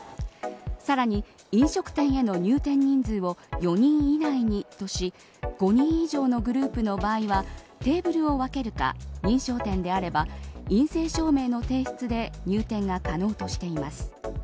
さらに、飲食店への入店人数を４人以内にとし５人以上のグループの場合はテーブルを分けるか認証店であれば陰性証明の提出で入店が可能としています。